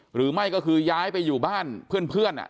หรือไม่ก็คือย้ายไปอยู่บ้านเพื่อน